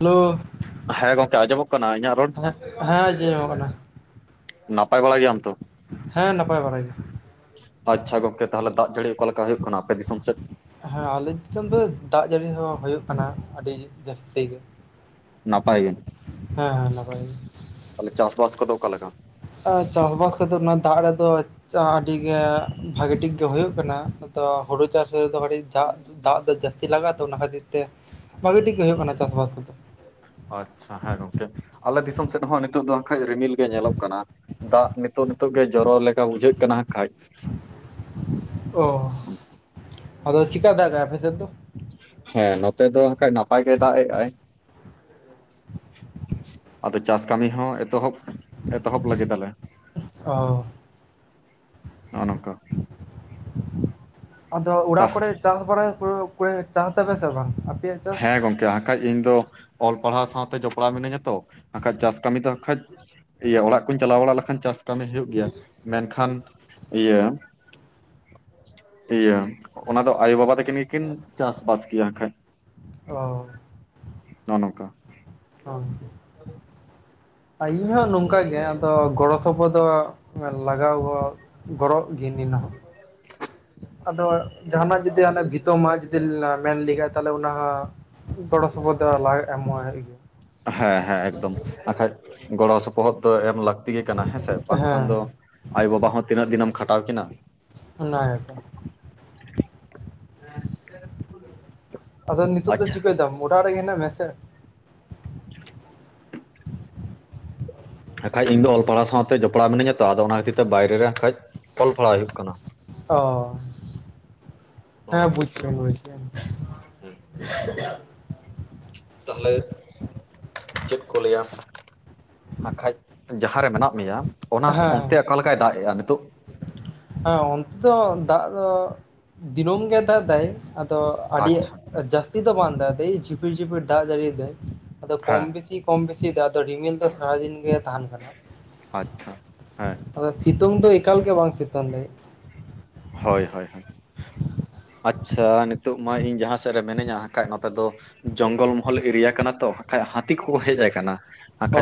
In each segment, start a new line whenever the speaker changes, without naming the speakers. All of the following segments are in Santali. ᱦᱮᱞᱳ᱾
ᱦᱮᱸ ᱜᱚᱝᱠᱮ ᱟᱸᱡᱚᱢᱚᱜ ᱠᱟᱱᱟ ᱤᱧᱟᱜ ᱨᱚᱲ?
ᱮ ᱦᱮᱸ ᱟᱸᱡᱚᱢ ᱧᱟᱢᱚᱜ ᱠᱟᱱᱟ᱾
ᱱᱟᱯᱟᱭ ᱵᱟᱲᱟ ᱜᱮᱭᱟᱢ ᱛᱚ?
ᱦᱮᱸ ᱱᱟᱯᱟᱭ ᱵᱟᱲᱟ ᱜᱮ
ᱟᱪᱪᱷᱟ ᱜᱚᱝᱠᱮ ᱛᱟᱦᱚᱞᱮ ᱫᱟᱜ ᱡᱟᱹᱲᱤ ᱚᱠᱟ ᱦᱳᱭᱳᱜ ᱠᱟᱱᱟ ᱟᱯᱮ ᱫᱤᱥᱚᱢ ᱥᱮᱫ?
ᱦᱮᱸ ᱟᱞᱤᱧ ᱥᱮᱱ ᱫᱚ ᱫᱟᱜ ᱡᱟᱹᱲᱤ ᱦᱚᱸ ᱦᱩᱭᱩᱜ ᱠᱟᱱᱟ ᱟᱹᱰᱤ ᱡᱟᱹᱥᱛᱤ ᱜᱮ᱾
ᱱᱟᱯᱟᱭ ᱜᱮ᱾
ᱦᱮᱸ ᱦᱮᱸ ᱱᱟᱯᱟᱭ ᱜᱮ
ᱛᱟᱦᱚᱞᱮ ᱪᱟᱥ ᱵᱟᱥ ᱠᱚᱫᱚ ᱚᱠᱟ ᱞᱮᱠᱟ?
ᱚ ᱪᱟᱥᱵᱟᱥ ᱠᱚᱫᱚ ᱱᱚᱣᱟ ᱫᱟᱜ ᱨᱮᱫᱚ ᱟᱹᱰᱤ ᱜᱮ ᱵᱷᱟᱜᱮ ᱴᱷᱤᱠ ᱜᱮ ᱦᱳᱭᱳᱜ ᱠᱟᱱᱟ ᱟᱫᱚ ᱦᱩᱲᱩ ᱪᱟᱥ ᱨᱮᱫᱚ ᱫᱟᱜ ᱫᱟᱜ ᱫᱚ ᱡᱟᱹᱥᱛᱤ ᱞᱟᱜᱟᱜᱼᱟ ᱛᱚ ᱚᱱᱟ ᱠᱷᱟᱹᱛᱤᱨ ᱛᱮ ᱵᱷᱟᱜᱤ ᱴᱷᱤᱠ ᱜᱮ ᱦᱳᱭᱳᱜ ᱠᱟᱱᱟ ᱪᱟᱥᱵᱟᱥ ᱠᱚᱫᱚ᱾
ᱟᱪᱪᱷᱟ ᱦᱮᱸ ᱜᱚᱝᱠᱮ ᱟᱞᱮ ᱫᱤᱥᱚᱢ ᱥᱮᱫ ᱦᱚᱸ ᱱᱤᱛᱚᱜ ᱫᱚ ᱱᱟᱜᱠᱷᱟᱡ ᱨᱤᱢᱤᱞ ᱜᱮ ᱧᱮᱞᱚᱜ ᱠᱟᱱᱟ᱾ ᱫᱟᱜ ᱱᱤᱛᱚᱜ ᱱᱤᱛᱚᱜ ᱜᱮ ᱡᱚᱨᱚ ᱞᱮᱠᱟ ᱵᱩᱡᱷᱟᱹᱜ ᱠᱟᱱᱟ ᱦᱟᱜ ᱠᱷᱟᱡ᱾
ᱚ ᱟᱫᱚ ᱪᱤᱠᱟ ᱫᱟᱜᱟᱭ ᱟᱯᱮ ᱥᱮᱫ ᱫᱚ?
ᱦᱮᱸ ᱱᱚᱛᱮ ᱫᱚ ᱚᱱᱠᱟ ᱱᱟᱯᱟᱭ ᱜᱮᱭ ᱫᱟᱜ ᱮᱜ ᱟᱭ᱾ ᱟᱫᱚ ᱪᱟᱥ ᱠᱟᱹᱢᱤ ᱦᱚᱸ ᱮᱛᱚᱦᱚᱵ, ᱮᱛᱚᱦᱚᱵ ᱞᱟᱹᱜᱤᱫ ᱟᱞᱮ᱾
ᱚ᱾
ᱱᱚᱜᱼᱚ ᱱᱚᱝᱠᱟ
ᱟᱫᱚ
ᱛᱟ
ᱚᱲᱟᱜ ᱠᱚᱨᱮ ᱪᱟᱥ ᱵᱟᱲᱟᱭ [unintelligible] ᱪᱟᱥ ᱫᱟᱯᱮ ᱥᱮ ᱵᱟᱝ ᱟᱯᱮ?
ᱦᱮᱸ ᱜᱚᱢᱠᱮ ᱟᱝᱠᱷᱟᱡ ᱤᱧ ᱫᱚ ᱚᱞ ᱯᱟᱲᱦᱟᱣ ᱥᱟᱶᱛᱮ ᱡᱚᱯᱲᱟᱣ ᱢᱤᱱᱟᱹᱧᱟ ᱛᱚ ᱟᱨᱠᱷᱟᱡ ᱪᱟᱥ ᱠᱟᱹᱢᱤ ᱫᱚ ᱠᱷᱟᱡ ᱤᱭᱟᱹ ᱚᱲᱟᱜ ᱠᱚᱧ ᱪᱟᱞᱟᱣ ᱵᱟᱲᱟ ᱞᱮᱠᱷᱟᱱ ᱪᱟᱥ ᱠᱟᱹᱢᱤ ᱦᱩᱭᱩᱜ ᱜᱮᱭᱟ᱾ ᱢᱮᱱᱠᱷᱟᱱ ᱤᱭᱟᱹ ᱤᱭᱟᱹ ᱚᱱᱟ ᱫᱚ ᱟᱭᱳ ᱵᱟᱵᱟ ᱛᱟᱹᱠᱤᱱ ᱜᱮᱠᱤᱱ ᱪᱟᱥᱵᱟᱥ ᱜᱮᱭᱟ ᱦᱟᱜ ᱠᱷᱟᱡ᱾
ᱚ᱾
ᱱᱚᱜᱼᱚ ᱱᱚᱝᱠᱟ᱾
ᱚ᱾ ᱤᱧ ᱦᱚᱸ ᱱᱚᱝᱠᱟ ᱜᱮ ᱟᱫᱚ ᱜᱚᱲᱚ ᱥᱚᱯᱚᱦᱚᱫ ᱥᱚᱯᱚ ᱫᱚ ᱞᱟᱜᱟᱣ ᱜᱚᱲᱚ ᱜᱚᱨᱚᱜ ᱜᱮᱧ ᱦᱚᱸ ᱟᱫᱚ ᱡᱟᱦᱟᱱᱟᱜ ᱡᱩᱫᱤ ᱟᱱᱮ ᱵᱷᱤᱛᱟᱹ ᱢᱮᱱ ᱞᱮᱜᱟᱭ ᱛᱟᱦᱚᱞᱮ ᱚᱱᱟ ᱦᱚᱸ ᱜᱚᱲᱚ ᱥᱚᱯᱚᱦᱚᱫ ᱫᱚ ᱞᱟᱜᱟᱜ ᱮᱢᱚᱜ ᱦᱩᱭᱩᱜ ᱜᱮᱭᱟ᱾
ᱦᱮᱸ ᱦᱮᱸ ᱮᱠᱫᱚᱢ᱾ ᱵᱟᱠᱷᱟᱡ ᱜᱚᱲᱚ ᱥᱚᱯᱚᱦᱚᱫ ᱫᱚ ᱮᱢ ᱞᱟᱠᱛᱤ ᱞᱟᱠᱛᱤ ᱜᱮ ᱠᱟᱱᱟ ᱦᱮᱸᱥᱮ? ᱵᱟᱝᱠᱷᱟᱱ
ᱦᱮᱸ
ᱫᱚ ᱟᱭᱳ ᱵᱟᱵᱟ ᱦᱚᱸ ᱛᱤᱱᱟᱹᱜ ᱫᱤᱱ ᱮᱢ ᱠᱷᱟᱴᱟᱣ ᱠᱤᱱᱟ᱾
ᱚᱱᱟ ᱜᱮ ᱥᱮ᱾
[inaudible]
ᱟᱫᱚ ᱱᱤᱛᱚᱜ ᱫᱚ
ᱟᱪᱪᱷᱟ
ᱪᱤᱠᱟᱹᱭ ᱫᱟᱢ ᱚᱲᱟᱜ ᱨᱮᱜᱮ ᱦᱮᱱᱟᱜ ᱢᱮᱭᱟ ᱥᱮ?
ᱟᱨᱠᱷᱟᱡ ᱤᱧ ᱫᱚ ᱚᱞ ᱯᱟᱲᱦᱟᱣ ᱥᱟᱶᱛᱮ ᱡᱚᱯᱲᱟᱣ ᱢᱤᱱᱟᱹᱧᱟ ᱛᱚ᱾ ᱟᱫᱚ ᱚᱱᱟ ᱠᱷᱟᱹᱛᱤᱨ ᱛᱮ ᱵᱟᱭᱨᱮ ᱨᱮ ᱠᱷᱟᱡ ᱚᱞ ᱯᱟᱲᱦᱟᱣ ᱦᱩᱭᱩᱜ ᱠᱟᱱᱟ᱾
ᱚ᱾
ᱱᱚᱜᱼᱚ
ᱦᱮᱸ
ᱱᱚᱝᱠᱟ
ᱵᱩᱡ ᱠᱤᱫᱟᱸᱧ
ᱛᱟᱦᱚᱞᱮ ᱪᱮᱫ ᱠᱚ ᱞᱟᱹᱭᱟ ᱟᱨᱠᱷᱟᱡ ᱡᱟᱦᱟᱸ ᱨᱮ ᱢᱮᱱᱟᱜ ᱢᱮᱭᱟ ᱚᱱᱟ
ᱦᱮᱸ
ᱚᱱᱛᱮ ᱚᱠᱟ ᱞᱮᱠᱟᱭ ᱫᱟᱜ ᱮᱼᱟ ᱱᱤᱛᱳᱜ?
ᱦᱮᱸ ᱚᱱᱛᱮ ᱫᱚ ᱫᱟᱜ ᱫᱚ ᱫᱤᱱᱟᱹᱢ ᱜᱮ ᱫᱟᱜ ᱮᱫᱟᱭ ᱛᱚ ᱟᱹᱰᱤ
ᱟᱪᱪᱷᱟ
ᱡᱟᱹᱥᱛᱤ ᱫᱚ ᱵᱟᱝ ᱫᱟᱭ, ᱡᱷᱤᱯᱤᱨ ᱡᱷᱤᱯᱤᱨ ᱫᱟᱜ ᱡᱟᱹᱲᱤᱭ ᱫᱟᱭ ᱟᱫᱚ
ᱦᱮᱸ
ᱠᱚᱢ ᱵᱮᱥᱤ ᱠᱚᱢ ᱵᱮᱥᱤ ᱫᱟᱜ ᱫᱟᱭ᱾ ᱨᱤᱢᱤᱞ ᱫᱚ ᱥᱟᱨᱟᱫᱤᱱ ᱜᱮ ᱛᱟᱦᱮᱱ ᱠᱟᱱᱟ᱾
ᱟᱪᱪᱷᱟ ᱦᱮᱸ
ᱟᱫᱚ ᱥᱤᱛᱩᱝ ᱫᱚ ᱮᱠᱟᱞ ᱜᱮ ᱵᱟᱝ ᱥᱤᱛᱩᱝ ᱫᱟᱭ᱾
ᱦᱳᱭ ᱦᱳᱭ ᱦᱳᱭ᱾ ᱟᱪᱪᱷᱟ ᱱᱤᱛᱳᱜ ᱢᱟ ᱤᱧ ᱡᱟᱦᱟᱸ ᱥᱮᱫ ᱨᱮ ᱢᱤᱱᱟᱹᱧᱟ ᱦᱟᱜᱠᱷᱟᱡ ᱱᱚᱛᱮ ᱫᱚ ᱡᱚᱝᱜᱚᱞ ᱢᱚᱦᱚᱞ ᱮᱨᱤᱭᱟ ᱠᱟᱱᱟ ᱛᱚ ᱦᱟᱜᱠᱷᱟᱡ ᱦᱟ ᱦᱟᱹᱛᱤ ᱠᱚᱠᱚ ᱦᱮᱡ ᱟᱠᱟᱱᱟ᱾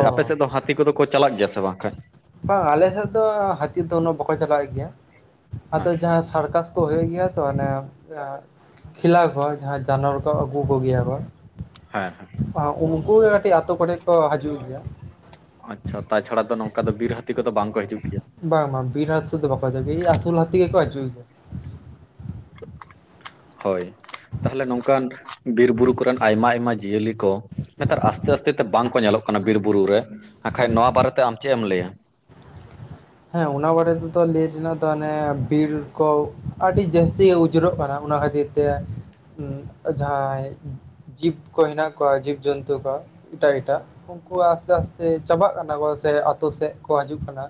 ᱚ
ᱟᱯᱮ ᱥᱮᱫ ᱫᱚ ᱦᱟᱹᱛᱤ ᱠᱚᱫᱚ ᱠᱚ ᱪᱟᱞᱟᱜ ᱜᱮᱭᱟ ᱥᱮ ᱵᱟᱝ ᱠᱷᱟᱡ?
ᱵᱟᱝ ᱟᱞᱮ ᱥᱮᱫ ᱫᱚ ᱦᱟᱹᱛᱤ ᱫᱚ ᱩᱱᱟᱹᱜ ᱵᱟᱠᱚ ᱪᱟᱞᱟᱜ ᱜᱮᱭᱟ᱾ ᱟᱫᱚ ᱡᱟᱦᱟᱸ
ᱟᱪᱪᱷᱟ
ᱥᱟᱨᱠᱟᱥ ᱠᱚ ᱦᱳᱭᱳᱜ ᱜᱮᱭᱟ ᱛᱚ ᱟᱱᱮ ᱠᱷᱮᱞᱟ ᱠᱚ ᱡᱟᱱᱣᱟᱨ ᱠᱚ ᱟᱹᱜᱩ ᱠᱚᱜᱮᱭᱟ ᱠᱚ᱾
ᱦᱮᱸ ᱦᱮᱸ
ᱟᱦ ᱩᱱᱠᱩᱜᱮ ᱠᱟᱴᱤᱡ ᱟᱛᱳ ᱠᱚᱨᱮ ᱠᱚ ᱦᱟᱡᱩᱜ ᱜᱮᱭᱟ
ᱟᱪᱪᱷᱟ ᱛᱟᱪᱷᱟᱲᱟ ᱫᱚ ᱱᱚᱝᱠᱟ ᱫᱚ ᱵᱤᱨ ᱦᱟᱹᱛᱤ ᱠᱚᱫᱚ ᱵᱟᱝ ᱠᱚ ᱦᱤᱡᱩᱜ ᱜᱮᱭᱟ
ᱵᱟᱝ ᱵᱟᱝ ᱵᱤᱨ ᱦᱟ. ᱛᱤ ᱫᱚ ᱵᱟᱠᱚ ᱦᱤᱡᱩ ᱜᱮᱭᱟ ᱮᱭ ᱟᱥᱩᱞ ᱦᱟ. ᱛᱤ ᱜᱮᱠᱚ ᱦᱮᱡᱩ ᱜᱮᱭᱟ
ᱩ...... ᱦᱚᱭ ᱛᱟᱦᱚᱞᱮ ᱱᱚᱝᱠᱟᱱ ᱵᱤᱨ ᱵᱩᱨᱩ ᱠᱚᱨᱮᱱ ᱟᱭᱢᱟ ᱟᱭᱢᱟ ᱡᱤᱭᱟᱹᱞᱤ ᱠᱚ ᱱᱮᱛᱟᱨ ᱟᱥᱛᱮ ᱟᱥᱛᱮ ᱛᱮ ᱵᱟᱝ ᱠᱚ ᱧᱮᱞᱚᱜ ᱠᱟᱱᱟ ᱵᱤᱨ ᱵᱩᱨᱩ ᱨᱮ ᱟᱨᱠᱷᱟᱡ ᱱᱚᱣᱟ ᱵᱟᱨᱮᱛᱮ ᱟᱢ ᱪᱮᱫ ᱮᱢ ᱞᱟᱹᱭᱟ
ᱦᱮᱸ ᱚᱱᱟ ᱵᱟᱨᱮ ᱛᱮᱫᱚ ᱞᱟᱹᱭ ᱨᱮᱱᱟᱜ ᱫᱚ ᱟᱱᱮ ᱵᱤᱨ ᱠᱚ ᱟᱹᱰᱤ ᱡᱟᱹᱥᱛᱤ ᱩᱡᱨᱚᱜ ᱠᱟᱱᱟ ᱚᱱᱟ ᱠᱷᱟᱹᱛᱤᱨ ᱛᱮ ᱡᱟᱦᱟᱸᱭ ᱡᱤᱵ ᱠᱚ ᱦᱮᱱᱟ ᱠᱚᱣᱟ ᱡᱤᱵᱡᱚᱱᱛᱩ ᱠᱚ ᱮᱴᱟ ᱮᱴᱟ ᱩᱱᱠᱩ ᱟᱥᱛᱮ ᱟᱥᱛᱮ ᱪᱟᱵᱟᱜ ᱠᱟᱱᱟ ᱠᱚ ᱥᱮ ᱟᱛᱳ ᱥᱮᱡ ᱠᱚ ᱦᱟᱡᱩᱜ ᱠᱟᱱᱟ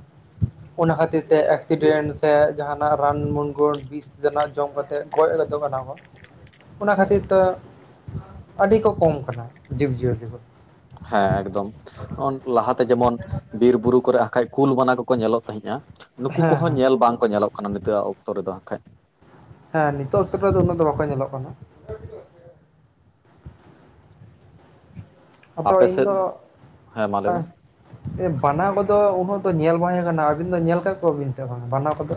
ᱚᱱᱟ ᱠᱷᱟᱛᱤᱨ ᱛᱮ ᱮᱠᱥᱤᱰᱮᱱᱴ ᱥᱮ ᱡᱟᱦᱟᱱᱟᱜ ᱨᱟᱱ ᱢᱱᱜᱟᱹᱱ ᱵᱤᱥ ᱛᱮᱱᱟᱜ ᱡᱚᱢ ᱠᱟᱛᱮᱫ ᱠᱚᱭ ᱮᱫᱮ ᱫᱚ ᱠᱟᱱᱟ ᱠᱚ ᱚᱱᱟ ᱠᱷᱟᱹᱛᱤᱨ ᱛᱚ ᱟᱹᱰᱤ ᱠᱚ ᱠᱚᱢ ᱠᱟᱱᱟ ᱡᱤᱵᱽᱡᱤᱭᱟᱹᱞᱤ ᱫᱚ
ᱦᱮᱸ ᱮᱠᱫᱚᱢ ᱩᱱᱠᱩ ᱞᱟᱦᱟᱛᱮ ᱡᱮᱢᱚᱱ ᱵᱤᱨ ᱵᱩᱨᱩ ᱠᱚᱨᱮ ᱟᱠᱷᱟᱡ ᱠᱩᱞ ᱵᱟᱱᱟ ᱠᱚᱠᱚ ᱧᱮᱞᱚᱜ ᱛᱟᱦᱤᱸᱡ-ᱟ ᱱᱩᱠᱩ
ᱦᱮᱸ
ᱠᱚᱦᱚᱸ
ᱦᱮᱸ
ᱧᱮᱞ ᱵᱟᱝᱠᱚ ᱧᱮᱞᱚᱜ ᱠᱟᱱᱟ ᱱᱤᱛᱚᱜᱟ ᱚᱠᱛᱚ ᱨᱮᱫᱚ ᱟᱠᱷᱟᱡ
ᱦᱮᱸ ᱱᱤᱛᱚᱜ ᱛᱚᱯᱮ ᱫᱚ ᱩᱱᱟᱹᱜ ᱫᱚ ᱵᱟᱠᱚ ᱧᱮᱞᱚᱜ ᱠᱟᱱᱟ ᱟᱫᱚ
ᱟᱯᱮ ᱥᱮᱫ
ᱤᱧᱫᱚ
ᱦᱮᱸ ᱢᱟ ᱞᱟᱹᱭ ᱢᱮ
ᱟᱥ... ᱮ ᱵᱟᱱᱟ ᱠᱚᱫᱚ ᱩᱱᱟᱹᱜ ᱫᱚ ᱧᱮᱞ ᱵᱟᱧ ᱠᱟᱱᱟ ᱟᱹᱵᱤᱱ ᱫᱚ ᱧᱮᱞ ᱠᱟᱜ ᱠᱚᱣᱟᱵᱤᱱ ᱥᱮ ᱵᱟᱝᱟ ᱵᱟᱱᱟ ᱠᱚᱫᱚ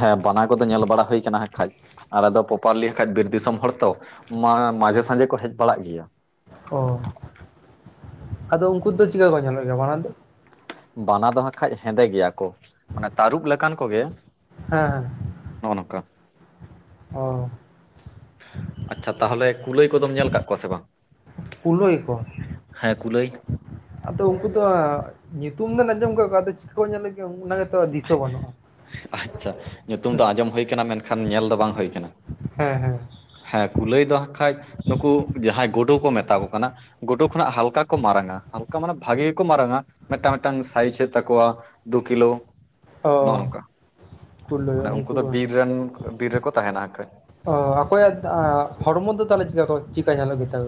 ᱦᱮᱸ ᱵᱟᱱᱟ ᱠᱚᱫᱚ ᱧᱮᱞ ᱵᱟᱲᱟ ᱦᱩᱭᱠᱟᱱᱟ ᱟᱠᱷᱟᱡ ᱟᱨᱮ ᱫᱚ ᱯᱚᱯᱟᱨᱞᱤ ᱟᱠᱷᱟᱡ ᱵᱤᱨ ᱫᱤᱥᱚᱢ ᱦᱚᱲ ᱛᱚ ᱢᱟ ᱢᱟᱡᱷᱮ ᱥᱟᱡᱷᱮ ᱠᱚ ᱦᱮᱡ ᱵᱟᱲᱟᱜ ᱜᱮᱭᱟ
ᱚ ᱟᱫᱚ ᱩᱱᱠᱩ ᱫᱚ ᱪᱮᱠᱟ ᱠᱚ ᱧᱮᱞᱚᱜ ᱜᱮᱭᱟ ᱵᱟᱱᱟ ᱫᱚ
ᱵᱟᱱᱟ ᱫᱚᱦᱟ ᱠᱷᱟᱡ ᱦᱮᱸᱫᱮ ᱜᱮᱭᱟ ᱠᱚ ᱢᱟᱱᱮ ᱛᱟᱹᱨᱩᱵ ᱞᱮᱠᱟᱱ ᱠᱚᱜᱮ
ᱦᱮᱸ ᱦᱮ
ᱱᱚᱽᱚ ᱱᱚᱠᱟ
ᱚ
ᱟᱪᱪᱷᱟ ᱛᱟᱦᱚᱞᱮ ᱠᱩᱞᱟᱹᱭ ᱠᱚᱫᱚᱢ ᱧᱮᱞ ᱠᱟᱫ ᱠᱚᱣᱟ ᱥᱮ ᱵᱟᱝ
ᱠᱩᱞᱟ. ᱭ ᱠᱚ
ᱦᱮᱸ ᱠᱩᱞᱟᱹᱭ
ᱟᱫᱚ ᱩᱱᱠᱩ ᱛᱚ ᱟ.. ᱧᱩᱛᱩᱢ ᱫᱚᱱ ᱟᱸᱡᱚᱢ ᱠᱟ ᱜᱮᱭᱟ ᱟᱫᱚ ᱪᱤᱠᱟᱹ ᱠᱚ ᱧᱮᱞᱚ ᱜᱮᱭᱟ ᱚᱱᱟᱜᱮ ᱛᱚ ᱫᱤᱥᱟᱹ ᱵᱟᱹᱱᱩᱜᱼᱟ
ᱟᱪᱪᱷᱟ ᱧᱩᱛᱩᱢ ᱫᱚ ᱟᱸᱡᱚᱢ ᱦᱩᱭᱩ ᱠᱟᱱᱟ ᱢᱮᱱᱠᱷᱟᱱ ᱧᱮᱞ ᱫᱚ ᱵᱟᱝ ᱦᱩᱭ ᱠᱟᱱᱟ
ᱦᱮᱸ ᱦᱮᱸ
ᱦᱮᱸ ᱠᱩᱞᱟᱹᱭ ᱫᱚᱦᱟᱜ ᱠᱷᱟᱡ ᱱᱩᱠᱩ ᱡᱟᱦᱟᱸᱭ ᱜᱩᱰᱩ ᱠᱚ ᱢᱮᱛᱟ ᱠᱚ ᱠᱟᱱᱟ ᱜᱩᱰᱩ ᱠᱷᱚᱱᱟᱜ ᱦᱟᱞᱠᱟ ᱠᱚ ᱢᱟᱨᱟᱝᱟ ᱦᱟᱞᱠᱟ ᱢᱟᱱᱮ ᱵᱷᱟᱜᱤ ᱜᱮᱠᱚ ᱢᱟᱨᱟᱝᱟ ᱢᱮᱫᱴᱟᱝ ᱢᱮᱫᱴᱟᱝ ᱥᱟᱭᱤᱡ ᱦᱩᱭᱩᱜ ᱛᱟᱠᱚᱣᱟ ᱫᱩ ᱠᱤᱞᱳ ᱱᱚᱜᱼᱚ
ᱚ
ᱱᱚᱝᱠᱟ
ᱠᱩᱞᱟᱹᱭ
ᱢᱟᱱᱮ ᱩᱱᱠᱩ ᱫᱚ
ᱠᱚ
ᱵᱤᱨ ᱨᱮᱱ ᱵᱤᱨ ᱨᱮᱠᱚ ᱛᱟᱦᱮᱱᱟ ᱟ. ᱠᱷᱟᱡ
ᱚ ᱚᱠᱚᱭᱟᱫ ᱟ.. ᱦᱚᱲᱢᱚ ᱫᱚ ᱛᱟᱦᱚᱞᱮ ᱪᱠᱟ ᱠᱚ ᱪᱮᱠᱟ ᱧᱮᱞᱚᱜ ᱜᱮᱛᱟ ᱠᱚ..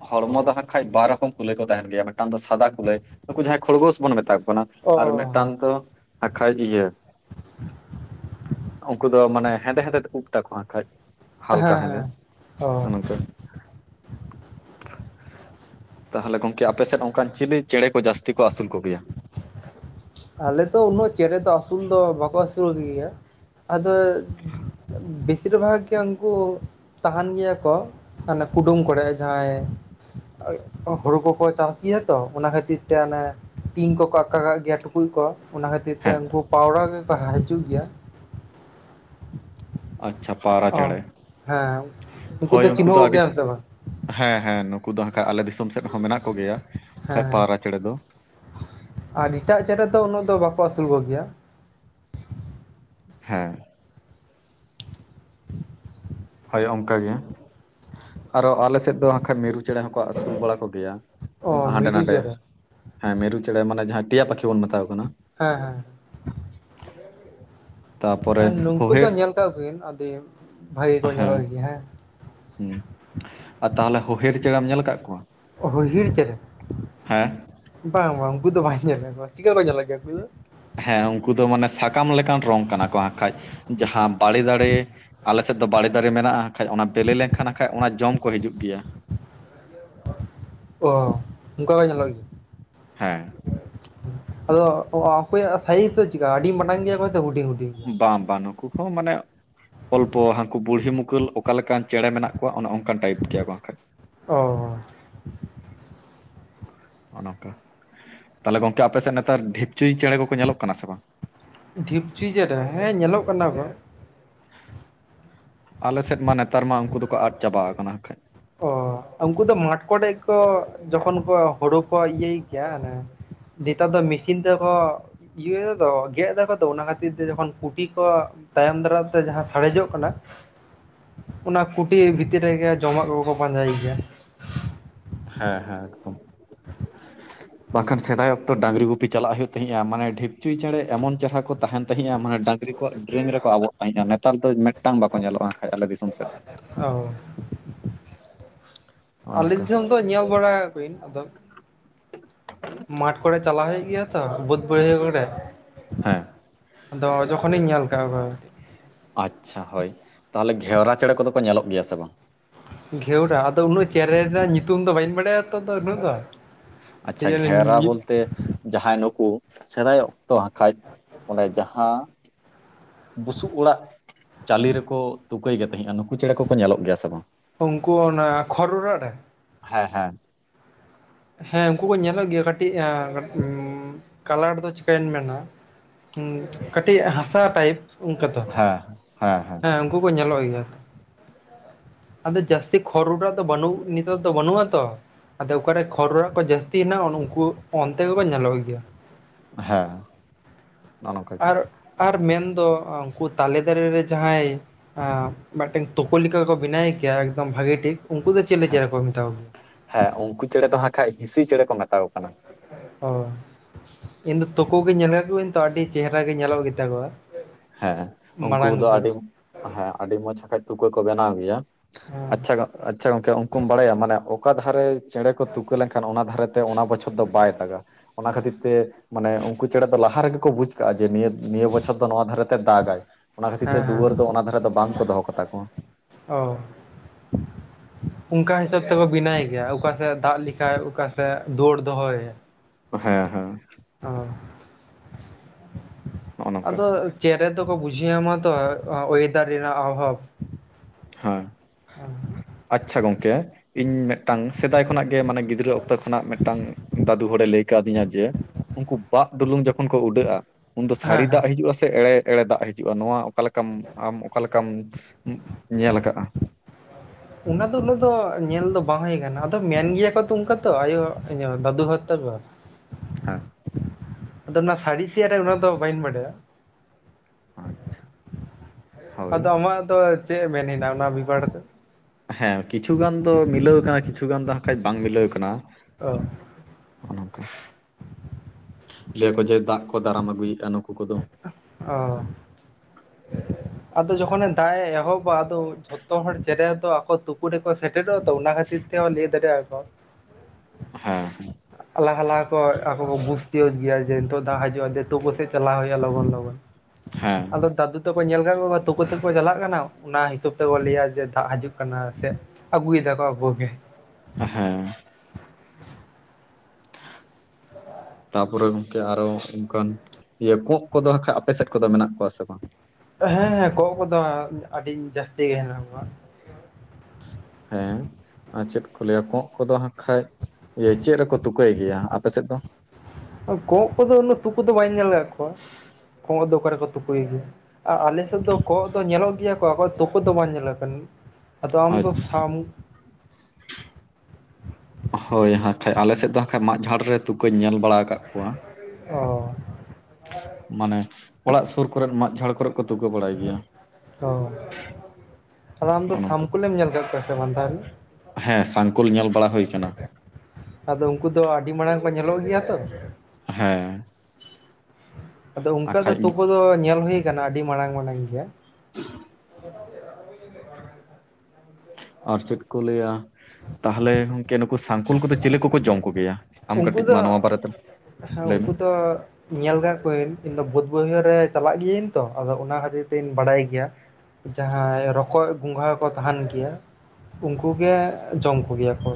ᱦᱚᱲᱢᱚ ᱫᱚ ᱦᱟᱸᱜ ᱠᱷᱟᱡ ᱵᱟᱨ ᱨᱚᱠᱚᱢ ᱠᱩᱞᱟᱹᱭ ᱠᱚ ᱛᱟᱦᱮᱱ ᱜᱮᱭᱟ ᱢᱤᱫᱴᱟᱝ ᱫᱚ ᱥᱟᱫᱟ ᱠᱩᱞᱟᱹᱭ ᱱᱩᱠᱩ ᱡᱟᱦᱟᱸᱭ ᱠᱷᱚᱲᱜᱳᱥ ᱵᱚᱱ ᱢᱮᱛᱟ ᱠᱚ ᱠᱟᱱᱟ
ᱚ
ᱟᱨ ᱢᱮᱴᱟᱝ ᱫᱚ ᱟᱠᱷᱟᱡ ᱤᱭᱟᱹ ᱩᱱᱠᱩ ᱫᱚ ᱢᱟᱱᱮ ᱦᱮᱸᱫᱮ ᱦᱮᱸᱫᱮ ᱛᱮ ᱩᱵ ᱛᱟᱠᱚ ᱟᱠᱷᱟᱡ
ᱦᱮᱸ
ᱦᱟᱞᱠᱟ ᱦᱮᱸᱫᱮ
ᱦᱮᱸ ᱚ
ᱟᱱᱚᱝᱠᱟ ᱛᱟᱦᱚᱞᱮ ᱜᱚᱝᱠᱮ ᱟᱯᱮᱥᱮᱫ ᱚᱱᱠᱟᱱ ᱪᱤᱞᱤ ᱪᱮᱬᱮ ᱠᱚ ᱡᱟᱹᱥᱛᱤ ᱠᱚ ᱟᱹᱥᱩᱞ ᱠᱚᱜᱮᱭᱟ
ᱟᱞᱮ ᱛᱚ ᱩᱱᱟᱹᱜ ᱪᱮᱬᱮ ᱫᱚ ᱟᱹᱥᱩᱞ ᱫᱚ ᱵᱟᱠᱚ ᱟᱹᱥᱩᱞ ᱜᱮᱭᱟ ᱟᱫᱚ... ᱵᱮᱥᱤᱨ ᱵᱷᱟᱜᱽ ᱜᱮ ᱩᱱᱠᱩ ᱛᱟᱦᱟᱱ ᱜᱮᱭᱟ ᱠᱚ ᱦᱚᱱᱮ ᱠᱩᱰᱩᱢ ᱠᱚᱨᱮ ᱡᱟᱦᱟᱸᱭ ᱦᱩᱲᱩ ᱠᱚᱠᱚ ᱪᱟᱥ ᱜᱮᱭᱟ ᱛᱚ ᱚᱱᱟ ᱠᱷᱟᱹᱛᱤᱨ ᱛᱮ ᱚᱱᱮ ᱛᱤᱧ ᱠᱚᱠᱚ ᱟᱠᱟᱠᱟᱜ ᱜᱮᱭᱟ ᱴᱩᱠᱩᱡ ᱠᱚ ᱚᱱᱟ ᱠᱷᱟᱹᱛᱤᱨ ᱛᱮ
ᱦᱮᱸ
ᱩᱱᱠᱩ ᱯᱟᱣᱨᱟ ᱜᱮᱠᱚ ᱦᱮᱡᱩᱜ ᱜᱮᱭᱟ
ᱟᱪᱪᱷᱟ ᱯᱟᱣᱨᱟ ᱪᱮᱬᱮ
ᱚ ᱦᱮᱸ
ᱦᱳᱭ ᱩᱱᱠᱩ ᱫᱚ
ᱪᱤᱱᱦᱟᱹᱣ
ᱟᱹᱰᱤ
ᱠᱚᱜᱮᱭᱟᱢ ᱥᱮ ᱵᱟᱝ
ᱦᱮᱸ ᱦᱮᱸ ᱱᱩᱠᱩ ᱫᱚ ᱟᱠᱷᱟᱡ ᱟᱞᱮ ᱫᱤᱥᱚᱢ ᱥᱮᱫ ᱦᱚᱸ ᱢᱮᱱᱟᱜ ᱠᱚᱜᱮᱭᱟ ᱟᱠᱷᱟᱡ
ᱦᱮᱸ
ᱯᱟᱣᱨᱟ ᱪᱮᱬᱮ ᱫᱚ
ᱟᱨ ᱮᱴᱟᱜ ᱪᱮᱬᱮ ᱫᱚ ᱩᱱᱟᱹᱜ ᱫᱚ ᱵᱟᱠᱚ ᱟᱹᱥᱩᱞ ᱠᱚᱜᱮᱭᱟ
ᱦᱮᱸ ᱦᱳᱭ ᱚᱱᱠᱟ ᱜᱮ ᱟᱨᱚ ᱟᱞᱮ ᱥᱮᱫ ᱫᱚ ᱦᱟᱠᱷᱟᱱ ᱢᱤᱨᱩ ᱪᱮᱬᱮ ᱦᱚᱸᱠᱚ ᱟᱹᱥᱩᱞ ᱵᱟᱲᱟ ᱠᱚᱜᱮᱭᱟ
ᱚ
ᱦᱟᱸᱰᱮ
ᱢᱤᱨᱩ
ᱱᱟᱰᱮ
ᱪᱮᱬᱮ
ᱦᱮᱸ ᱢᱤᱨᱩ ᱪᱮᱬᱮ ᱢᱟᱱᱮ ᱡᱟᱦᱟᱸ ᱴᱮᱭᱟ ᱯᱟᱠᱷᱤ ᱵᱚᱱ ᱢᱮᱛᱟᱣ ᱠᱟᱱᱟ
ᱦᱮᱸ ᱦᱮᱸ
[inaudible] ᱛᱟᱯᱚᱨᱮ
ᱦᱮᱸ ᱱᱩᱠᱩ ᱫᱚ
ᱦᱳᱦᱮᱫ
ᱧᱮᱞ ᱠᱟᱫ ᱠᱚᱤᱱ ᱟᱹᱰᱤ ᱵᱷᱟᱜᱤ ᱠᱚ ᱧᱮᱞᱚᱜ ᱜᱮᱭᱟ ᱦᱮᱸ
ᱦᱩᱸ ᱟᱨ ᱛᱟᱦᱚᱞᱮ ᱦᱳᱦᱮᱨ ᱪᱮᱲᱮᱢ ᱧᱮᱞ ᱟᱠᱟᱫ ᱠᱚᱣᱟ
[unintelligible] ᱚᱳ ᱦᱤᱲ ᱪᱮᱬᱮ
ᱦᱮᱸ
ᱵᱟᱝ ᱵᱟᱝ ᱩᱱᱠᱩ ᱫᱚ ᱵᱟᱝ ᱧᱮᱞ ᱠᱚᱣᱟ ᱪᱤᱫᱠᱟᱠᱚ ᱧᱮᱞᱚᱜ ᱜᱮᱭᱟ ᱩᱱᱠᱩ ᱫᱚ
ᱦᱮᱸ ᱩᱱᱠᱩ ᱫᱚ ᱢᱟᱱᱮ ᱥᱟᱠᱟᱢ ᱞᱮᱠᱟᱱ ᱨᱚᱝ ᱠᱟᱱᱟ ᱠᱚ ᱟᱠᱷᱟᱡ ᱡᱟᱦᱟᱸ ᱵᱟᱲᱮ ᱫᱟᱲᱮ ᱟᱞᱮᱥᱮᱫ ᱫᱚ ᱵᱟᱲᱮ ᱫᱟᱨᱮ ᱢᱮᱱᱟᱜᱼᱟ ᱟᱠᱷᱟᱡ ᱚᱱᱟ ᱵᱮᱞᱮ ᱞᱮᱱᱠᱷᱟᱱ ᱟᱠᱷᱟᱡ ᱚᱱᱟ ᱡᱚᱢ ᱠᱚ ᱦᱤᱡᱩᱜ ᱜᱮᱭᱟ
ᱚ ᱚᱱᱠᱟ ᱠᱚ ᱧᱮᱞᱚᱜ ᱜᱮᱭᱟ
ᱦᱮᱸ
ᱟᱫᱚ ᱚᱠᱚᱭᱟᱜ ᱥᱟᱭᱤᱡᱽ ᱫᱚ ᱪᱮᱠᱟ ᱟᱹᱰᱤ ᱢᱟᱨᱟᱝ ᱜᱮᱭᱟ ᱚᱠᱚᱭ ᱛᱚ ᱦᱩᱰᱤᱧ ᱦᱩᱰᱤᱧ ᱜᱮᱭᱟ
ᱵᱟᱝ ᱵᱟᱝ ᱱᱩᱠᱩ ᱦᱚᱸ ᱢᱟᱱᱮ ᱚᱞᱯᱚ ᱦᱟᱱᱠᱩ ᱵᱩᱲᱦᱤ ᱢᱩᱠᱟᱹᱞ ᱚᱠᱟ ᱞᱮᱠᱟᱱ ᱪᱮᱬᱮ ᱢᱮᱱᱟᱜ ᱠᱚᱣᱟ ᱚᱱᱮ ᱚᱱᱠᱟᱱ ᱴᱟᱭᱤᱯ ᱜᱮᱭᱟ ᱠᱚ ᱦᱟᱸᱜ
ᱚᱦᱚ
ᱚᱱᱮ ᱚᱝᱠᱟ ᱛᱟᱦᱚᱞᱮ ᱜᱚᱝᱠᱮ ᱟᱯᱮᱥᱮᱫ ᱱᱮᱛᱟᱨ ᱰᱷᱤᱯᱪᱩᱭ ᱪᱮᱸᱬᱮ ᱠᱚᱠᱚ ᱧᱮᱞᱚᱜ ᱠᱟᱱᱟ ᱥᱮ ᱵᱟᱝ
ᱰᱷᱤᱯᱪᱩᱤ ᱡᱮᱨᱮ ᱦᱮᱸ ᱧᱮᱞᱚᱜ ᱠᱟᱱᱟ ᱠᱚ
ᱟᱞᱮ ᱥᱮᱫ ᱢᱟ ᱱᱮᱛᱟᱨ ᱢᱟ ᱩᱱᱠᱩ ᱫᱚᱠᱚ ᱟᱫ ᱪᱟᱵᱟ ᱟᱠᱟᱱᱟ ᱠᱷᱟᱡ
ᱚ ᱩᱱᱠᱩ ᱫᱚ ᱢᱟᱴᱠᱚᱰᱮᱡ ᱠᱚ ᱡᱚᱠᱷᱚᱱ ᱠᱚ ᱦᱩᱲᱩ ᱠᱚ ᱤᱭᱟᱹᱭ ᱜᱮᱭᱟ ᱦᱮ [unintelligible] ᱱᱮᱛᱟᱨ ᱫᱚ ᱢᱮᱥᱤᱱ ᱛᱮᱠᱚ ᱤᱭᱚ ᱫᱚ ᱜᱮᱫ ᱫᱟᱠᱚ ᱛᱚ ᱚᱱᱟ ᱠᱷᱟᱹᱛᱤᱨ ᱛᱮ ᱡᱚᱠᱷᱚᱱ ᱠᱩᱴᱤ ᱠᱚ ᱛᱟᱭᱚᱢ ᱫᱟᱨᱟᱢ ᱛᱮ ᱡᱟᱦᱟᱸ ᱥᱟᱲᱮᱡᱚᱜ ᱠᱟᱱᱟ ᱚᱱᱟ ᱠᱩᱴᱤ ᱵᱷᱤᱛᱤᱨ ᱨᱮᱜᱮ ᱡᱚᱢᱟᱜ ᱠᱚ ᱠᱚ ᱯᱟᱸᱡᱟᱭ ᱜᱮᱭᱟ
ᱦᱮᱸ ᱦᱮᱸ ᱮᱠᱫᱚᱢ ᱵᱟᱝᱠᱷᱟᱱ ᱥᱮᱫᱟᱭ ᱚᱠᱛᱚ ᱰᱟᱝᱨᱤ ᱜᱩᱯᱤ ᱪᱟᱞᱟᱜ ᱦᱩᱭᱩᱜ ᱛᱟᱦᱮᱸᱜ-ᱟ ᱢᱟᱱᱮ ᱰᱷᱤᱯᱪᱩᱭ ᱪᱮᱬᱮ ᱮᱢᱚᱱ ᱪᱮᱦᱨᱟ ᱠᱚ ᱛᱟᱦᱮ ᱛᱟᱦᱮᱸᱜ-ᱟ ᱢᱟᱱᱮ ᱰᱟᱝᱨᱤ ᱰᱮᱨᱮᱝ ᱨᱮᱠᱚ ᱟᱵᱚᱜ ᱛᱟᱦᱮᱸᱫ-ᱟ ᱱᱮᱛᱟᱨ ᱫᱚ ᱢᱤᱫᱴᱟᱝ ᱵᱟᱠᱚ ᱧᱮᱞᱚᱜ-ᱟᱱ ᱟᱞᱮ ᱫᱤᱥᱚᱢ ᱥᱮᱫ
ᱚᱦᱚ
ᱚᱱᱮ
ᱟᱞᱮ
ᱚᱱᱠᱟ
ᱫᱤᱥᱚᱢ ᱫᱚ ᱧᱮᱞ ᱵᱟᱲᱟ ᱠᱟᱠᱚᱤᱱ ᱟᱫᱚ ᱢᱟᱴᱷ ᱠᱚᱨᱮ ᱪᱟᱞᱟᱣ ᱦᱩᱭᱩᱜ ᱜᱮᱭᱟ ᱛᱚ ᱵᱟᱹᱫᱽ ᱵᱟᱹᱦᱟᱹᱲ ᱠᱚᱨᱮ
ᱦᱮᱸ
ᱟᱫᱚ ᱡᱚᱠᱷᱚᱱᱤᱧ ᱧᱮᱞ ᱟᱠᱟᱫ-ᱟ [unintelligible]
ᱟᱪᱪᱷᱟ ᱦᱳᱭ ᱛᱟᱦᱚᱞᱮ ᱜᱷᱮᱣᱨᱟ ᱪᱮᱬᱮ ᱠᱚᱫᱚ ᱠᱚ ᱧᱮᱞᱚᱜ ᱜᱮᱭᱟ ᱥᱮ ᱵᱟᱝ
ᱜᱷᱮᱣᱲᱟ ᱟᱫᱚ ᱩᱱᱟᱹᱜ ᱪᱮᱬᱮ ᱨᱮᱱᱟᱜ ᱧᱩᱛᱩᱢ ᱫᱚ ᱵᱟᱹᱧ ᱵᱟᱲᱟᱭᱟ ᱛᱚ ᱫᱚ ᱩᱱᱟᱹᱜ ᱫᱚ ᱥᱮ
ᱟᱪᱪᱷᱟ ᱜᱮᱨᱟ
ᱡᱚᱱᱱᱮ
ᱵᱚᱞᱛᱮ ᱡᱟᱦᱟᱸᱭ ᱱᱩᱠᱩ ᱥᱮᱫᱟᱭ ᱚᱠᱛᱚ ᱟᱠᱟᱡ ᱚᱱᱮ ᱡᱟᱦᱟᱸ ᱵᱩᱥᱩᱵ ᱚᱲᱟᱜ ᱪᱟᱞᱤ ᱨᱮᱠᱚ ᱛᱩᱠᱟᱹᱭ ᱜᱮ ᱛᱟᱦᱮᱸᱫ-ᱟ ᱱᱩᱠᱩ ᱪᱮᱬᱮ ᱠᱚᱠᱚ ᱧᱮᱞᱚᱜ ᱜᱮᱭᱟ ᱥᱮ ᱵᱟᱝ
ᱩᱱᱠᱩ ᱚᱱᱟ ᱠᱷᱚᱨ ᱚᱨᱟ ᱨᱮ
ᱦᱮᱸ ᱦᱮᱸ
ᱦᱮᱸ ᱩᱱᱠᱩ ᱠᱚ ᱧᱮᱞᱚᱜ ᱜᱮᱭᱟ ᱠᱟᱹᱴᱤᱡ ᱟ ᱠᱟᱞᱟᱨ ᱫᱚ ᱪᱤᱠᱟᱹᱭᱧ ᱢᱮᱱᱟ ᱦᱩᱸ ᱠᱟᱹᱴᱤᱡ ᱦᱟᱥᱟ ᱴᱟᱭᱤᱯ ᱚᱱᱠᱟ ᱫᱚ ᱦᱮᱸ ᱩᱱᱠᱩ ᱠᱚ ᱧᱮᱞᱚᱜ ᱜᱮᱭᱟ ᱛᱚ ᱟᱫᱚ ᱡᱟᱹᱥᱛᱤ ᱠᱷᱚᱲ ᱚᱨᱟ ᱫᱚ ᱵᱟᱹᱱᱩᱜ ᱱᱤᱛᱟᱨ ᱫᱚ ᱵᱟᱹᱱᱩᱜ-ᱟᱛᱚ ᱟᱫᱚ ᱚᱠᱟᱨᱮ ᱦᱚᱨᱚᱨᱟᱜ ᱠᱚ ᱡᱟᱹᱥᱛᱤ ᱦᱮᱱᱟᱜ-ᱟ ᱩᱱᱠᱩ ᱚᱱᱛᱮ ᱜᱮᱠᱚ ᱧᱮᱞᱚᱜ ᱜᱮᱭᱟ
ᱦᱮᱸ ᱱᱚᱜ-ᱱᱚᱝᱠᱟ ᱜᱮ
ᱟᱨ ᱟᱨ ᱢᱮᱱᱫᱚ ᱩᱱᱠᱩ ᱛᱟᱞᱮ ᱫᱟᱨᱮ ᱨᱮ ᱡᱟᱦᱟᱸᱭ ᱢᱤᱫᱴᱮᱱ ᱛᱩᱠᱳ ᱞᱮᱠᱟ ᱠᱚ ᱵᱮᱱᱟᱭ ᱜᱮᱭᱟ ᱮᱠᱫᱚᱢ ᱵᱷᱟᱹᱜᱤ ᱴᱷᱤᱠ ᱩᱱᱠᱩ ᱫᱚ ᱪᱮᱞᱮ
ᱦᱮᱸ
ᱪᱮᱬᱮ ᱠᱚ ᱢᱮᱛᱟᱣ ᱜᱮᱭᱟ?
ᱦᱮᱸ ᱩᱱᱠᱩ ᱪᱮᱬᱮ ᱫᱚ ᱦᱟᱸᱜ ᱠᱷᱟᱡ ᱦᱤᱸᱥᱤ ᱪᱮᱬᱮ ᱠᱚ ᱢᱮᱛᱟᱣ ᱠᱚ ᱠᱟᱱᱟ᱾
ᱚ ᱤᱧ ᱫᱚ ᱛᱩᱠᱩ ᱜᱤᱧ ᱧᱮᱞ ᱠᱟᱠᱚᱣᱟᱧ ᱛᱚ ᱟᱹᱰᱤ ᱪᱮᱦᱨᱟ ᱜᱮ ᱧᱮᱞᱚᱜ ᱜᱮᱛᱟ ᱠᱚᱣᱟ᱾
ᱦᱮᱸ ᱩᱱᱠᱩ
ᱢᱟᱲᱟᱝ
ᱫᱚ
ᱩᱛᱟᱹᱨ
ᱟᱹᱰᱤ ᱦᱮᱸ ᱟᱹᱰᱤ ᱢᱚᱸᱡᱽᱠᱷᱟᱡ ᱛᱩᱠᱟᱹ ᱠᱚ ᱵᱮᱱᱟᱣ ᱜᱮᱭᱟ᱾
ᱦᱮᱸ
ᱟᱪᱪᱷᱟ ᱟᱪᱪᱷᱟ ᱜᱚᱝᱠᱮ ᱩᱱᱠᱩᱢ ᱵᱟᱲᱟᱭᱟ ᱢᱟᱱᱮ ᱚᱠᱟ ᱫᱷᱟᱨᱮ ᱪᱮᱬᱮ ᱠᱚ ᱛᱩᱠᱟᱹ ᱞᱮᱱᱠᱷᱟᱱ ᱚᱱᱟ ᱫᱷᱟᱨᱮᱛᱮ ᱚᱱᱟ ᱵᱚᱪᱷᱚᱨ ᱫᱚ ᱵᱟᱭ ᱫᱟᱜᱟ ᱚᱱᱟ ᱠᱷᱟᱹᱛᱤᱨ ᱛᱮ ᱢᱟᱱᱮ ᱩᱱᱠᱩ ᱪᱮᱬᱮ ᱫᱚ ᱞᱟᱦᱟ ᱨᱮᱜᱮ ᱠᱚ ᱵᱩᱡ ᱠᱟᱜᱼᱟ ᱡᱮ ᱱᱤᱭᱟᱹ ᱱᱤᱭᱟᱹ ᱵᱚᱪᱷᱚᱨ ᱫᱚ ᱱᱚᱣᱟ ᱫᱷᱟᱨᱮ ᱫᱟᱜᱟᱭ ᱚᱱᱟ ᱠᱷᱟᱹᱛᱤᱨ ᱛᱮ
ᱦᱮᱸ ᱦᱮᱸ
ᱫᱩᱣᱟᱹᱨ ᱫᱚ ᱚᱱᱟ ᱫᱷᱟᱨᱮ ᱫᱚ ᱵᱟᱝ ᱠᱚ ᱫᱚᱦᱚ ᱠᱟᱛᱟ ᱠᱚᱣᱟ᱾
ᱚ ᱚᱱᱠᱟ ᱦᱤᱥᱟᱹᱵ ᱛᱮᱠᱚ ᱵᱮᱱᱟᱭ ᱜᱮᱭᱟ ᱚᱠᱟᱥᱮᱫ ᱫᱟᱜ ᱞᱮᱠᱷᱟᱡ ᱚᱠᱟᱥᱮᱫ ᱫᱩᱣᱟᱹᱨ ᱫᱚᱦᱚᱭ [unintelligible]
ᱦᱮᱸ ᱦᱮᱸ
ᱚ
ᱱᱚᱜᱼᱚ ᱱᱚᱝᱠᱟ
ᱟᱫᱚ ᱪᱮᱬᱮ ᱫᱚᱠᱚ ᱵᱩᱡᱷᱟᱹᱣ ᱧᱟᱢᱟ ᱛᱚ ᱚᱭᱮᱫᱟᱨ ᱨᱮᱱᱟᱜ ᱚᱵᱷᱟᱵᱽ
ᱦᱮᱸ ᱟᱪᱪᱷᱟ ᱜᱚᱝᱠᱮ ᱤᱧ ᱢᱤᱫᱴᱟᱝ ᱥᱮᱫᱟᱭ ᱠᱷᱚᱱᱟᱜ ᱜᱮ ᱢᱟᱱᱮ ᱜᱤᱫᱽᱨᱟᱹ ᱚᱠᱛᱚ ᱠᱷᱚᱱᱟᱜ ᱢᱤᱫᱴᱟᱝ ᱫᱟᱫᱩ ᱦᱚᱲᱮ ᱞᱟᱹᱭ ᱠᱟᱣᱫᱤᱧᱟ ᱡᱮ ᱩᱱᱠᱩ ᱵᱟᱜ ᱰᱩᱞᱩᱝ ᱡᱚᱠᱷᱚᱱ ᱠᱚ ᱩᱰᱟᱹᱜᱼᱟ ᱩᱱᱫᱚ ᱥᱟᱹᱨᱤ
ᱦᱮᱸ
ᱫᱟᱜ
ᱦᱮᱸ
ᱦᱤᱡᱩᱜᱼᱟ ᱥᱮ ᱮᱲᱮ ᱮᱲᱮ ᱫᱟᱜ ᱦᱤᱡᱩᱜᱼᱟ ᱱᱚᱣᱟ ᱚᱠᱟ ᱞᱮᱠᱟᱢ ᱟᱢ ᱚᱠᱟ ᱞᱮᱠᱟᱢ ᱧᱮᱞ ᱠᱟᱜᱼᱟ
ᱚᱱᱟ ᱫᱚ ᱩᱱᱟᱹᱜ ᱫᱚ ᱧᱮᱞ ᱫᱚ ᱵᱟᱝ ᱦᱩᱭ ᱟᱠᱟᱱᱟ ᱟᱫᱚ ᱢᱮᱱ ᱜᱮᱭᱟ ᱠᱚ ᱛᱚ ᱚᱱᱠᱟ ᱛᱚ ᱟᱭᱳ ᱫᱟᱫᱩ ᱦᱚᱲ ᱛᱟᱠᱳ
ᱦᱮᱸ
ᱟᱫᱚ ᱱᱟᱣᱟ ᱥᱟᱹᱨᱤ ᱥᱮ ᱮᱲᱮ ᱚᱱᱟ ᱫᱚ ᱵᱟᱹᱧ ᱵᱟᱰᱟᱭᱟ
ᱟᱪᱪᱷᱟ ᱦᱳᱭ
ᱟᱫᱚ ᱟᱢᱟᱜ ᱫᱚ ᱪᱮᱫ ᱢᱮᱱ ᱦᱮᱱᱟᱜ ᱟ ᱚᱱᱟ ᱵᱤᱵᱟᱨ ᱛᱮ
ᱦᱮᱸ ᱠᱤᱪᱷᱩ ᱜᱟᱱ ᱫᱚ ᱢᱤᱞᱟᱹᱣ ᱠᱟᱱᱟ ᱠᱤᱪᱷᱩ ᱜᱟᱱ ᱫᱚ ᱮᱱᱠᱷᱟᱡ ᱵᱟᱝ ᱢᱤᱞᱟᱹᱣ ᱠᱟᱱᱟ᱾
ᱚ
ᱚᱱ ᱱᱚᱝᱠᱟ ᱞᱟᱹᱭᱟᱠᱚ ᱡᱮ ᱫᱟᱜ ᱠᱚ ᱫᱟᱨᱟᱢ ᱟᱹᱜᱩᱭᱮᱫᱼᱟ ᱱᱩᱠᱩ ᱠᱚᱫᱚ᱾
ᱚ ᱟᱫᱚ ᱡᱚᱠᱷᱚᱱᱮ ᱫᱟᱜ ᱮ ᱮᱦᱚᱵᱟ ᱟᱫᱚ ᱡᱷᱚᱛᱚ ᱦᱚᱲ ᱪᱮᱬᱮ ᱫᱚ ᱟᱠᱚ ᱛᱩᱠ ᱛᱩᱠᱟᱹ ᱨᱮᱠᱚ ᱥᱮᱴᱮᱨᱚᱜᱼᱟ ᱛᱚ ᱚᱱᱟ ᱠᱷᱟᱹᱛᱤᱨ ᱛᱮᱦᱚᱸ ᱞᱟᱹᱭ ᱫᱟᱲᱮᱭᱟᱜᱼᱟ ᱟᱠᱚ
ᱦᱮᱸ
ᱞᱟᱦᱟ ᱞᱟᱦᱟ ᱠᱚ ᱟᱠᱚ ᱠᱚ ᱵᱩᱡ ᱛᱤᱭᱟᱜ ᱜᱮᱭᱟ ᱡᱮ ᱱᱤᱛᱚᱜ ᱫᱟᱜ ᱦᱤᱡᱩᱜᱼᱟ ᱫᱮ ᱛᱩᱯᱩ ᱥᱮᱫ ᱪᱟᱞᱟᱣ ᱦᱩᱭᱩᱜᱼᱟ ᱞᱚᱜᱚᱱ ᱞᱚᱜᱚᱱ
ᱦᱮᱸ
ᱟᱫᱚ ᱫᱟᱫᱩ ᱛᱟᱠᱚ ᱧᱮᱞ ᱟᱠᱟᱫ ᱠᱚᱣᱟ ᱛᱩᱠᱟᱹ ᱥᱮᱫ ᱠᱚ ᱪᱟᱞᱟᱜ ᱠᱟᱱᱟ ᱚᱱᱟ ᱦᱤᱥᱟᱹᱵ ᱛᱮᱵᱚ ᱞᱟᱹᱭᱟ ᱡᱮ ᱫᱟᱜ ᱦᱤᱡᱩᱜ ᱠᱟᱱᱟ ᱥᱮ ᱟᱹᱜᱩᱭᱮᱫᱟ ᱠᱚ ᱟᱵᱚᱜ ᱜᱮ
ᱦᱮᱸ
[unintelligible]
ᱛᱟᱯᱚᱨᱮ ᱜᱚᱝᱠᱮ ᱟᱨᱚ ᱚᱱᱠᱟᱱ ᱤᱭᱟᱹ ᱠᱚᱸᱜ ᱠᱚᱫᱚ ᱦᱟᱠᱷᱟᱱ ᱟᱯᱮ ᱥᱮᱫ ᱠᱚᱫᱚ ᱢᱮᱱᱟᱜ ᱠᱚᱣᱟ ᱥᱮ ᱵᱟᱝ?
ᱦᱮᱸ ᱦᱮᱸ ᱠᱚᱸᱜ ᱠᱚᱫᱚ ᱟᱹᱰᱤ ᱡᱟᱹᱥᱛᱤ ᱜᱮ ᱦᱮᱱᱟᱜ ᱠᱚᱣᱟ᱾
ᱦᱮᱸ ᱟᱨ ᱪᱮᱫ ᱠᱚ ᱞᱟᱹᱭᱟ ᱠᱚᱜ ᱠᱚᱫᱚ ᱦᱟᱸᱜᱠᱟᱡ ᱤᱭᱟᱹ ᱪᱮᱫ ᱨᱮᱠᱚ ᱛᱩᱠᱟᱹᱭ ᱜᱮᱭᱟ ᱟᱯᱮ ᱥᱮᱫ ᱫᱚ?
ᱠᱚᱸᱜ ᱠᱚᱫᱚ ᱩᱱᱟᱹᱜ ᱛᱩᱠᱟ. ᱫᱚ ᱵᱟᱹᱧ ᱧᱮᱞ ᱟᱠᱟᱫ ᱠᱚᱣᱟ ᱾ᱠᱚᱸᱜ ᱫᱚ ᱚᱠᱟ ᱨᱮᱠᱚ ᱛᱩᱠᱟ. ᱭ ᱜᱮᱭᱟ? ᱟᱞᱮ ᱥᱮᱫ ᱫᱚ ᱠᱚᱸᱜ ᱫᱚ ᱧᱮᱞᱚᱜ ᱜᱮᱭᱟ ᱠᱚ ᱟᱠᱳ ᱟᱜ ᱛᱩᱠᱟ. ᱫᱚ ᱵᱟᱝ ᱧᱮᱞ ᱟᱠᱟᱱ ᱟᱫᱚ ᱟᱢ ᱫᱚ ᱥᱟᱢ
[unintelligible] ᱦᱳᱭ ᱦᱟ ᱠᱷᱟᱡ ᱟᱞᱮ ᱥᱮᱫ ᱫᱚ ᱦᱟᱠᱟᱡ ᱢᱟᱫ ᱡᱷᱟᱲ ᱨᱮ ᱛᱩᱠᱟᱹᱧ ᱧᱮᱞ ᱵᱟᱲᱟ ᱟᱠᱟᱫ ᱠᱚᱣᱟ᱾
ᱚ
ᱢᱟᱱᱮ ᱚᱲᱟᱜ ᱥᱩᱨ ᱠᱚᱨᱮᱫ ᱢᱟᱫ ᱡᱷᱟᱲ ᱠᱚᱨᱮᱫ ᱠᱚ ᱛᱩᱠᱟᱹ ᱵᱟᱲᱟᱭ ᱜᱮᱭᱟ᱾
ᱚ ᱟᱫᱚ ᱟᱢᱫᱚ
ᱱᱚᱜᱼᱚ ᱱᱚᱝᱠᱟ
ᱥᱟᱢᱠᱩᱞᱮᱢ ᱧᱮᱞ ᱟᱠᱟᱫ ᱠᱚᱣᱟ ᱥᱮ ᱵᱟᱝ ᱛᱟᱦᱚᱞᱮ
ᱦᱮᱸ ᱥᱟᱝᱠᱩᱞ ᱧᱮᱞ ᱵᱟᱲᱟ ᱦᱩᱭ ᱟᱠᱟᱱᱟ᱾
ᱟᱫᱚ ᱩᱱᱠᱩ ᱫᱚ ᱟᱹᱰᱤ ᱢᱟᱲᱟᱝ ᱠᱚ ᱧᱮᱞᱚᱜ ᱜᱮᱭᱟ ᱛᱚ᱾
ᱦᱮᱸ
ᱟᱫᱚ ᱩᱱᱠᱩ ᱟᱜ ᱫᱚ
ᱟᱠᱷᱟᱡ
ᱛᱩᱠᱟᱹ ᱫᱚ ᱧᱮᱞ ᱦᱩᱭ ᱟᱠᱟᱱᱟ ᱟᱹᱰᱤ ᱢᱟᱲᱟᱝ ᱢᱟᱲᱟᱝ ᱜᱮᱭᱟ
[unintelligible] ᱟᱨ ᱪᱮᱫ ᱠᱚ ᱞᱟᱹᱭᱟ ᱛᱟᱦᱚᱞᱮ ᱜᱚᱝᱠᱮ ᱱᱩᱠᱩ ᱥᱟᱝᱠᱚᱞ ᱠᱚᱫᱚ ᱪᱤᱞᱤ ᱠᱚᱠᱚ ᱡᱚᱢ ᱠᱚᱜᱮᱭᱟ ᱟᱢ
ᱩᱱᱠᱩ
ᱠᱟᱹᱴᱤᱡ ᱢᱟ ᱱᱚᱣᱟ
ᱫᱚ
ᱵᱟᱨᱮ ᱛᱮ
ᱦᱮᱸ
ᱞᱟᱹᱭ ᱢᱮ
ᱩᱱᱠᱩ ᱫᱚ ᱧᱮᱞ ᱠᱟᱫ ᱠᱚᱣᱟᱟᱹᱧ ᱤᱧ ᱫᱚ ᱵᱟᱹᱫ ᱵᱟᱹᱭᱦᱟᱹᱲ ᱨᱮ ᱪᱟᱞᱟᱜ ᱜᱤᱭᱟᱹᱧ ᱛᱚ ᱟᱫᱚ ᱚᱱᱟ ᱠᱷᱟᱹᱛᱤᱨ ᱛᱤᱧ ᱵᱟᱲᱟᱭ ᱜᱮᱭᱟ ᱡᱟᱦᱟᱸ ᱨᱚᱠᱚᱡ ᱜᱚᱸᱜᱷᱟ ᱠᱚ ᱛᱟᱦᱮᱸᱱ ᱜᱮᱭᱟ ᱩᱱᱠᱩ ᱜᱮ ᱡᱚᱢ ᱠᱚ ᱜᱮᱭᱟ ᱠᱚ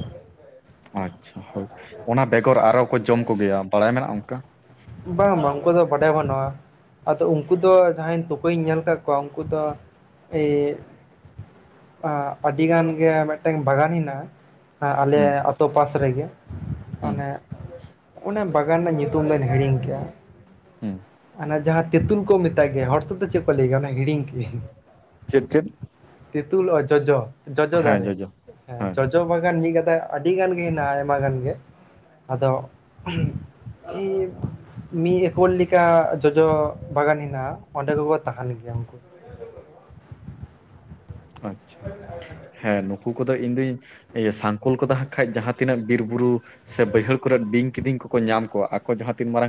ᱟᱪᱪᱷᱟ ᱦᱳᱭ ᱚᱱᱟ ᱵᱮᱜᱚᱨ ᱟᱨᱚ ᱠᱚ ᱡᱚᱢ ᱠᱚ ᱜᱮᱭᱟ ᱵᱟᱲᱟᱭ ᱢᱮᱱᱟᱜᱼᱟ ᱚᱱᱠᱟ
ᱵᱟᱝ ᱵᱟᱝ ᱩᱱᱠᱩ ᱫᱚ ᱵᱟᱰᱟᱭ ᱵᱟᱱᱩᱜᱼᱟ ᱟᱫᱚ ᱩᱱᱠᱩ ᱫᱚ ᱡᱟᱦᱟᱸᱭ ᱛᱩᱯᱩᱧ ᱧᱮᱞ ᱠᱟᱫ ᱠᱚᱣᱟ ᱩᱱᱠᱩ ᱫᱚ ᱮᱭ ᱟᱹᱰᱤ ᱜᱟᱱ ᱜᱮ ᱢᱤᱫᱴᱟᱝ ᱵᱟᱜᱟᱱ ᱦᱮᱱᱟᱜᱼᱟ ᱟᱞᱮ
ᱦᱩᱸ
ᱟᱛᱳ ᱯᱟᱥ ᱨᱮᱜᱮ
ᱦᱩᱸ
ᱚᱱᱮ ᱚᱱᱮ ᱵᱟᱜᱟᱱ ᱨᱮᱱᱟᱜ ᱧᱩᱛᱩᱢ ᱫᱚ ᱦᱮᱲᱤᱧᱝ ᱜᱮᱭᱟ
ᱦᱮᱸ
ᱚᱱᱟ ᱡᱟᱦᱟᱸ ᱛᱮᱛᱩᱞ ᱠᱚ ᱢᱮᱛᱟᱜ ᱜᱮᱭᱟ ᱦᱚᱲ ᱛᱮ ᱫᱚ ᱪᱮᱫ ᱠᱚ ᱞᱟᱹᱭ ᱜᱮᱭᱟ ᱦᱤᱲᱤᱧ ᱠᱤᱫᱤᱧ
ᱪᱮᱫ ᱪᱮᱫ
ᱛᱤᱛᱩᱞ ᱚ ᱡᱚᱡᱚ ᱡᱚᱡᱚ ᱫᱟᱨᱮ ᱦᱮᱸ ᱡᱚᱡ ᱡ ᱵᱟᱜᱟᱱ ᱤᱫᱤ ᱠᱟᱹᱛᱮ ᱟᱹᱰᱤ ᱜᱟᱱ ᱜᱮ ᱦᱮᱱᱟᱜᱼᱟ ᱟᱭᱢᱟ ᱜᱟᱱ ᱜᱮ ᱟᱫᱚ ᱤᱧ ᱢᱤ ᱮᱠᱚᱞ ᱞᱮ ᱠᱟ ᱡᱚᱡᱚ ᱵᱟᱜᱟᱱ ᱦᱮᱱᱟᱜᱼᱟ ᱚᱸᱰᱮ ᱠᱚᱠᱚ ᱛᱟᱦᱮᱸᱱ ᱜᱮᱭᱟ ᱩᱱᱠᱩ ᱫᱚ
ᱟᱪᱷᱟ ᱦᱮᱸ ᱱᱩᱠᱩ ᱠᱚᱫᱚ ᱤᱧ ᱫᱩᱧ ᱤᱭᱟᱹ ᱥᱟᱝᱠᱚᱞ ᱠᱚᱫᱚ ᱦᱟᱜ ᱠᱷᱟᱱᱡ ᱡᱟᱦᱟᱸ ᱛᱤᱱᱟᱹᱜ ᱵᱤᱨ ᱵᱩᱨᱩ ᱥᱮ ᱵᱟᱹᱭᱦᱟᱹᱲ ᱟᱠᱨᱮ ᱵᱤᱧ ᱠᱤᱫᱤᱝ ᱠᱚᱠᱚ ᱧᱟᱢ ᱠᱚᱣᱟ ᱟᱠᱚ ᱡᱟᱦᱟᱸ ᱛᱤᱱ ᱢᱟᱨᱟᱝ